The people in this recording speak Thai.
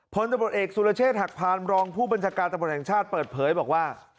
พลตำรวจเอกสุรเชษฐหักพานรองผู้บัญชาการตำรวจแห่งชาติเปิดเผยบอกว่า